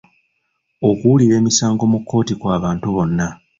Okuwulira emisango mu kkooti kw'abantu bonna.